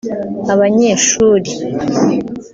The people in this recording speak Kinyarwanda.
Abanyeshuri